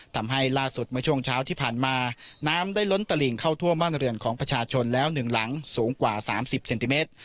ทำให้ล่าสุดเมื่อช่วงเช้าที่ผ่านมาน้ำได้ล้นตลิ่งเข้าท่วมบ้านเรือนของประชาชนแล้ว๑หลังสูงกว่า๓๐เซนติเมตร